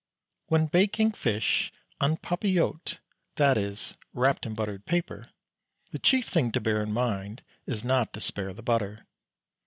When baking fish en papillot, that is wrapped in buttered paper, the chief thing to bear in mind is not to spare the butter.